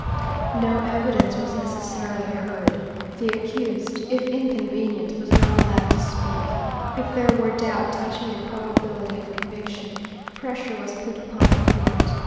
No evidence was necessarily heard. The accused, if inconvenient, was not allowed to speak. If there were doubt touching the probability of conviction, pressure was put upon the court.